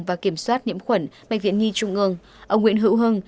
và kiểm soát nhiễm khuẩn bệnh viện nhi trung ương ông nguyễn hữu hưng